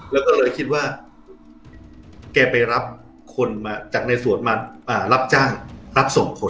แล้วก็เลยคิดว่าแกไปรับคนมาจากในสวนมารับจ้างรับสองคน